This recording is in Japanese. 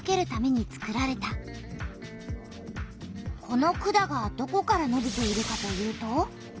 この管がどこからのびているかというと。